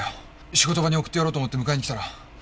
仕事場に送ってやろうと思って迎えに来たら。